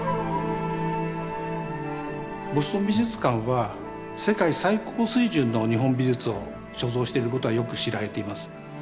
ボストン美術館は世界最高水準の日本美術を所蔵していることはよく知られています。